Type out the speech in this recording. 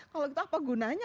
kalau itu apa gunanya